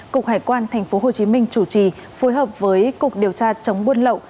cục hải quan tp hcm chủ trì phối hợp với cục điều tra chống buôn lậu